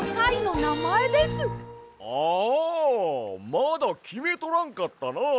まだきめとらんかったな！